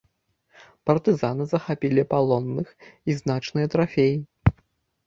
Партызаны захапілі палонных і значныя трафеі.